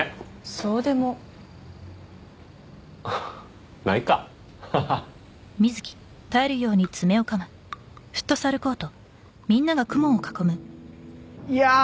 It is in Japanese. そうでもないかははっいやー